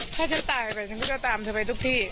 ถ้าฉันตายไปฉันก็จะตามเธอไปทุกที่